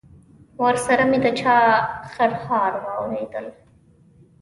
ورسره مې د چا خرهار واورېدل.